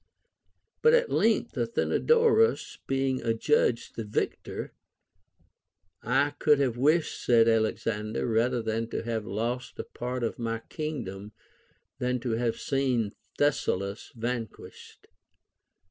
But at length Athenodorus being ad judged the victor ; I could have wished, said Alexander, rather to have lost a part of my kingdom than to have seen Thessalus vanquished.